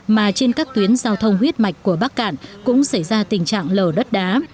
mà trên các tuyến giao thông huyết mạch của bắc cạn cũng xảy ra tình trạng lở đất đá